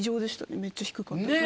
めっちゃ低かった。ねぇ。